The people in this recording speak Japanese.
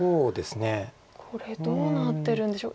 これどうなってるんでしょう。